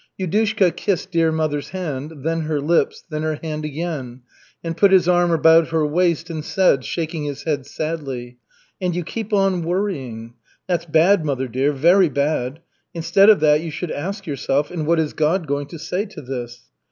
Yudushka kissed dear mother's hand, then her lips, then her hand again and put his arm about her waist and said, shaking his head sadly: "And you keep on worrying. That's bad, mother dear, very bad. Instead of that you should ask yourself: 'And what is God going to say to this?'